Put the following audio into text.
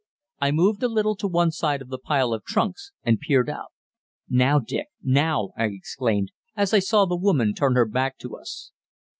I moved a little to one side of the pile of trunks, and peered out. "Now, Dick now!" I exclaimed, as I saw the woman turn her back to us.